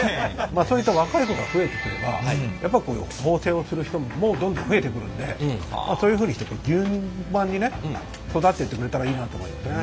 そういった若い子が増えてくれば縫製をする人もどんどん増えてくるんでそういうふうにして順番にね育ってってくれたらいいなと思いますね。